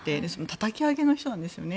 たたき上げの人なんですね。